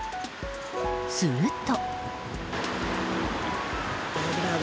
すると。